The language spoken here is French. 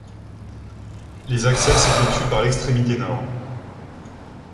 Les accès s'effectuent par l'extrémité nord.